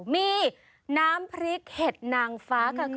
มีน้ำพริกเห็ดนางฟ้าค่ะ